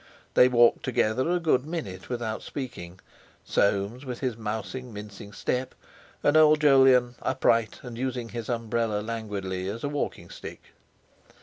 They walked together a good minute without speaking, Soames with his mousing, mincing step, and old Jolyon upright and using his umbrella languidly as a walking stick.